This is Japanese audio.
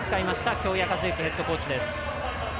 京谷和幸ヘッドコーチ。